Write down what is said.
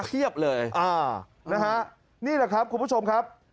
เขี้ยบเลยนี่แหละครับคุณผู้ชมครับ